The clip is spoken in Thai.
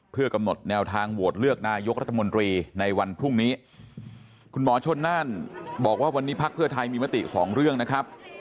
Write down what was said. เพื่อกำหนดแนวทางโหวตเลือกนายกรัฐมนตรีในวันพรุ่งนี้คุณหมอชนนั่นบอกว่าวันนี้พักเพื่อไทยมีมติสองเรื่องนะครับ